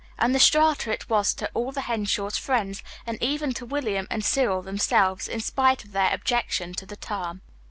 And "The Strata" it was to all the Henshaws' friends, and even to William and Cyril themselves, in spite of their objection to the term.